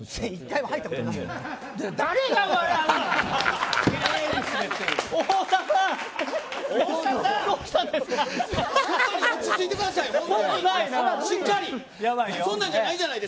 １回も入ったことない。